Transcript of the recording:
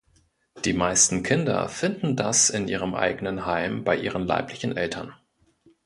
Die meisten Kinder finden das in ihrem eigenen Heim bei ihren leiblichen Eltern.